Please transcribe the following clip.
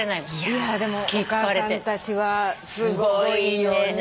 いやでもお母さんたちはすごいよね。